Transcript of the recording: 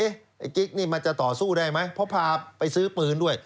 ไอ้กิ๊กนี่มันจะต่อสู้ได้ไหมเพราะพาไปซื้อปืนด้วย